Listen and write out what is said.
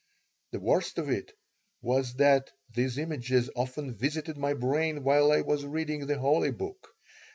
The worst of it was that these images often visited my brain while I was reading the holy book.